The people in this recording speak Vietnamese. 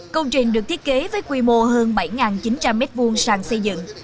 công trình được thiết kế với quy mô hơn bảy chín trăm linh m hai sàng xây dựng